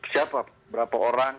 siapa berapa orang